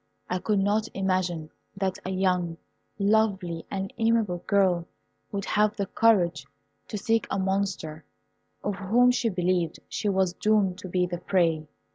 I could not imagine that a young, lovely, and amiable girl would have the courage to seek a monster, of whom she believed she was doomed to be the prey.